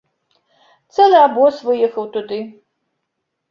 Цэлы абоз выехаў туды.